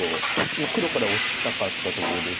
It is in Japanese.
黒からオシたかったとこですし。